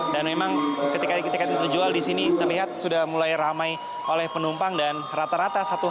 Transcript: dan memang ketika ketika terjual di sini terlihat sudah mulai ramai oleh penumpang dan rata rata satu harga